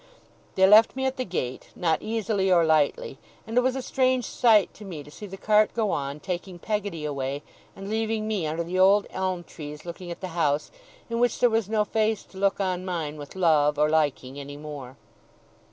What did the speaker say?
They left me at the gate, not easily or lightly; and it was a strange sight to me to see the cart go on, taking Peggotty away, and leaving me under the old elm trees looking at the house, in which there was no face to look on mine with love or liking any more.